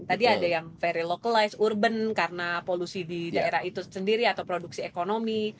tadi ada yang very localized urban karena polusi di daerah itu sendiri atau produksi ekonomi